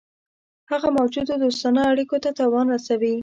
هغه موجودو دوستانه اړېکو ته تاوان رسوي.